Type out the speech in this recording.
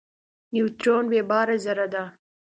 نیوترون بېباره ذره ده.